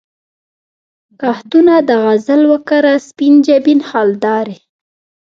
کښتونه د غزل وکره، سپین جبین خالدارې